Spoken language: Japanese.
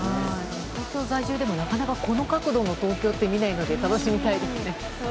東京在住でもなかなかこの角度の東京って見ないので楽しみたいですね。